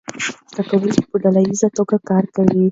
زده کوونکي په ډله ییزه توګه کار کوي.